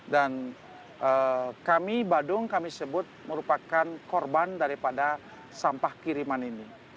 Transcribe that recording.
dan kami badung kami sebut merupakan korban daripada sampah kiriman ini